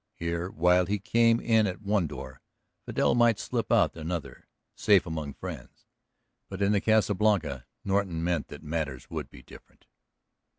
Here, while he came in at one door Vidal might slip out at another, safe among friends. But in the Casa Blanca Norton meant that matters should be different.